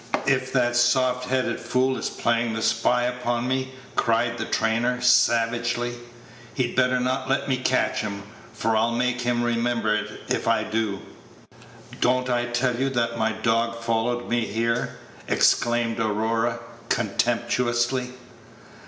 "If that soft headed fool is playing the spy upon me," cried the trainer, savagely, "he'd better not let me catch him, for I'll make him remember it if I do." "Don't I tell you that my dog followed me here?" exclaimed Aurora, contemptuously.